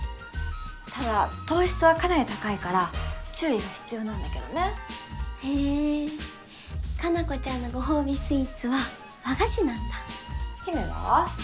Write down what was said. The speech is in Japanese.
ただ糖質はかなり高いから注意が必要なんだけどねへえ加奈子ちゃんのご褒美スイーツは和菓子なんだ陽芽は？